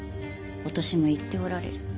お年もいっておられる。